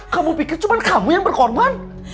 kamu pikir cuma kamu yang berkorban